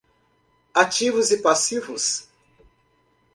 Ativos e passivos